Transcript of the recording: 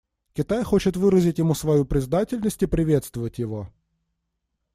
Китай хочет выразить ему свою признательность и приветствовать его.